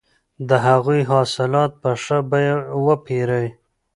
د هغوی حاصلات په ښه بیه وپېرئ.